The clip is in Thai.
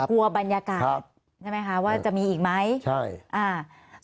กลัวบรรยากาศใช่ไหมคะว่าจะมีอีกไหมใช่อ่า